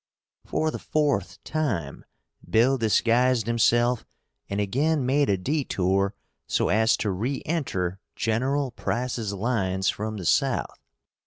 For the fourth time Bill disguised himself and again made a detour so as to re enter General Price's lines from the South.